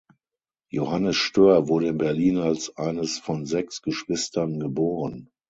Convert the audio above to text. Johannes Stöhr wurde in Berlin als eines von sechs Geschwistern geboren.